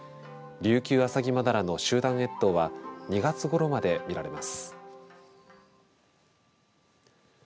リュウキュウアサギマダラの集団越冬は２月ごろまで見られます。